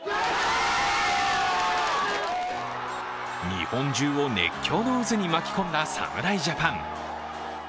日本中を熱狂の渦に巻き込んだ侍ジャパン。